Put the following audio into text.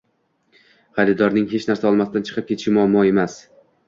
Xaridorning hech narsa olmasdan chiqib ketishi muammo emas.